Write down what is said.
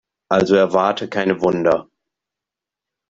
Also erwarte keine Wunder.